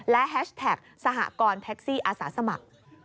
และแฮชแท็กสหกรณ์แท็กซี่อาสาสมัคร